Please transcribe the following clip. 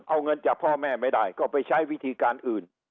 เอาเงินจากพ่อแม่ไม่ได้ก็ไปใช้วิธีการอื่น